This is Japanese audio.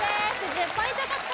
１０ポイント獲得！